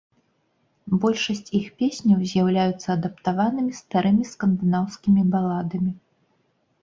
Большасць іх песняў з'яўляюцца адаптаванымі старымі скандынаўскімі баладамі.